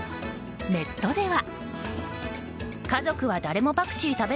ネットでは。